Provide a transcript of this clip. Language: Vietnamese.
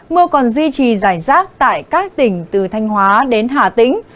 mưa còn duy trì giải rác tại các tỉnh từ thanh hóa đến hà tĩnh